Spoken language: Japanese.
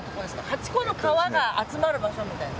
８個の川が集まる場所みたいな。